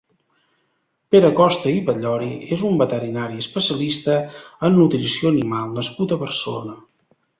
Pere Costa i Batllori és un veterinari, especialista en nutrició animal nascut a Barcelona.